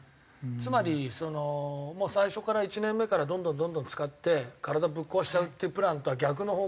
つまり最初から１年目からどんどんどんどん使って体ぶっ壊しちゃうっていうプランとは逆の方向にいって。